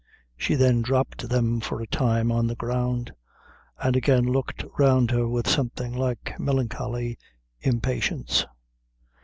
She then dropped them for a time on the ground, and again looked round her with something like melancholy impatience.